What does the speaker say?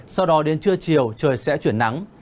sau đó đến trưa chiều trời sẽ chuyển nắng